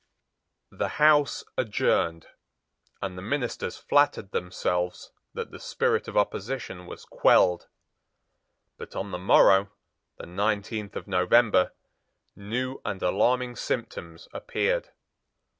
The House adjourned; and the ministers flattered themselves that the spirit of opposition was quelled. But on the morrow, the nineteenth of November, new and alarming symptoms appeared.